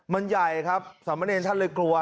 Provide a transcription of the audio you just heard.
มันใหญ่ครับสามเมอร์เนนท่านเลยกลัวฮะ